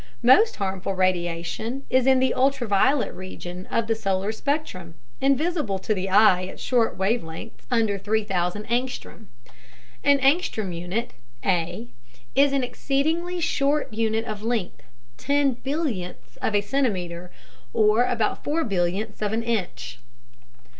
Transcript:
Most harmful radiation is in the "ultraviolet" region of the solar spectrum, invisible to the eye at short wavelengths (under 3,000 A). (An angstrom unit A is an exceedingly short unit of length 10 billionths of a centimeter, or about 4 billionths of an inch.)